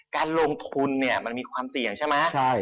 การลงทุนเนี่ยมันมีความเสี่ยงใช่ไหม